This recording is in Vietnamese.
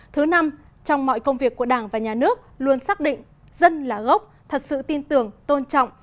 thứ năm trong mọi công việc của đảng và nhà nước luôn xác định dân là gốc thật sự tin tưởng tôn trọng